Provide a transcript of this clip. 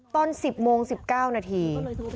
ตอน๑๐โมง๑๙นาที